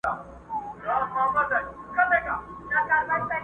مخ يې ونيوى پر كور ما ته يې شا سوه!!